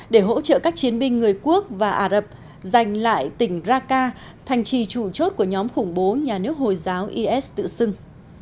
để hỗ trợ các chiến binh người quốc và ả rập giành lại tỉnh raka thành trì chủ chốt của nhóm khủng bố nhà nước hồi giáo is tự xưng